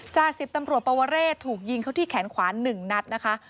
จาก๑๐ตำรวจปวเรศถูกยิงเขาที่แขนขวา๑นัดนะคะ